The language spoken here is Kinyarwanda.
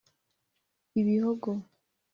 ibihogo